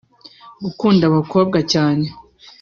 gukunda abakobwa cyane